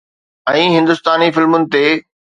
۽ هندستاني فلمن تي